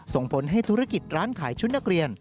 ส่งผลให้ธุรกิจร้านขายชุดนักเรียน